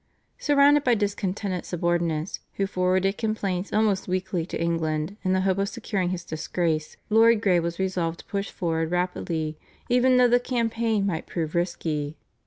Surrounded by discontented subordinates, who forwarded complaints almost weekly to England in the hope of securing his disgrace, Lord Grey was resolved to push forward rapidly even though the campaign might prove risky.